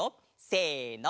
せの！